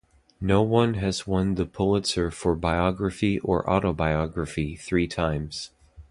No one has won the Pulitzer for Biography or Autobiography three times.